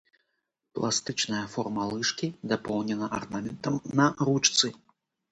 Пластычная форма лыжкі дапоўнена арнаментам на ручцы.